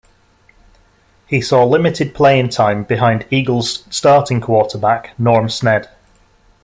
He saw limited playing time behind Eagles starting quarterback Norm Snead.